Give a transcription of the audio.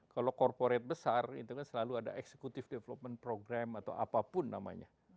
kalau corporate besar itu kan selalu ada executive development program atau apapun namanya